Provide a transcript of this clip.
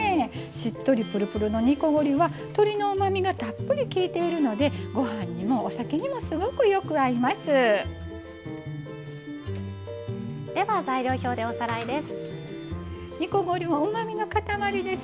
しっとり、ぷるぷるの煮こごりは、鶏のうまみがたっぷりきいているのでごはんにも、お酒にもすごくよく合います。